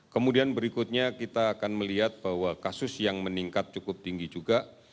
kemudian berikutnya kita akan melihat bahwa kasus yang meningkat cukup tinggi juga